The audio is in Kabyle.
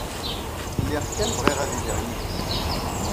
Lliɣ kan bɣiɣ ad iliɣ yid-s.